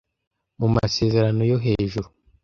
mu masezerano yo hejuru